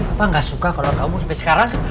apa nggak suka kalau kamu sampai sekarang